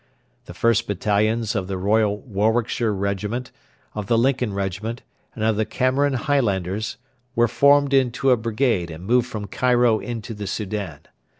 The 1st Battalions of the Royal Warwickshire Regiment, of the Lincoln Regiment, and of the Cameron Highlanders were formed into a brigade and moved from Cairo into the Soudan.